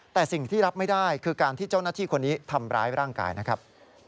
แต่สิ่งที่รับไม่ได้คือการที่เจ้าหน้าที่คนนี้ทำร้ายร่างกายนะครับ